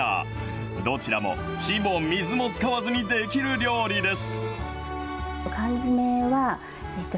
どちらも火も水もできる料理です。